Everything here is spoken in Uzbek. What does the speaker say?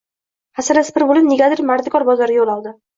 Hafsalasi pir bo‘lib, negadir mardikor bozoriga yo‘l oldi